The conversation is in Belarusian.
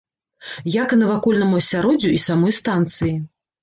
Як і навакольнаму асяроддзю і самой станцыі.